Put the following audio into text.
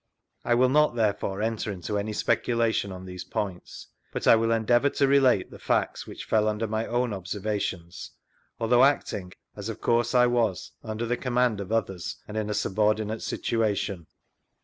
I will not, there fore, enter into any speculation on these points, but I will endeavour to relate the facts which fell under my own observations, although acting, as frf course I was, under the command of others, and in a subordinate situation.